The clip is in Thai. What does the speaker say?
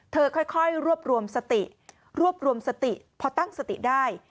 เธอค่อยรวบรวมสติพอตั้งสติได้